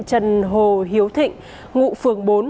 trần hồ hiếu thịnh ngụ phường bốn